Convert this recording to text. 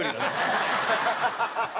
ハハハハ！